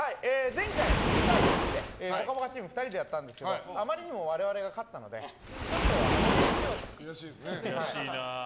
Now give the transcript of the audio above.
前回、２対１で「ぽかぽか」チーム２人でやったんですがあまりにも我々が勝ったので厳しいですね。